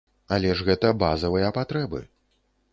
Але ж гэта базавыя патрэбы.